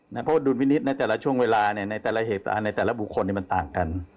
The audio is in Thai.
เพราะว่าดุลพินิษฐ์ในแต่ละช่วงเวลาในแต่ละบุคคลมันต่างกัน